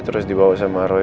terus dibawa sama roy